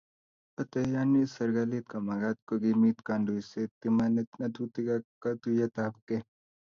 Oteayini , serkalit komagat kokimit kandoiset, imanitab ngatutik ak katuiyetabkei